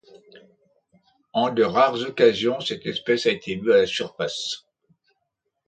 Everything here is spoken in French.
En de rares occasions, cette espèce a été vue à la surface.